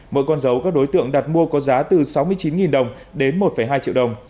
mỗi con dấu các đối tượng đặt mua có giá từ sáu mươi chín đồng đến một hai triệu đồng